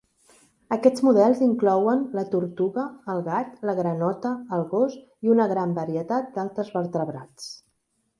Aquests models inclouen la tortuga, el gat, la granota, el gos i una gran varietat d'altres vertebrats.